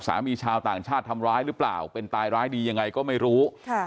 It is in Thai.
ชาวต่างชาติทำร้ายหรือเปล่าเป็นตายร้ายดียังไงก็ไม่รู้